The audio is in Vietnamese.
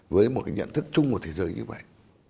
với một cái nhận thức chung của thế giới như vậy